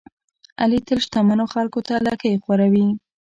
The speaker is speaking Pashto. علي تل شتمنو خلکوته لکۍ خوروي.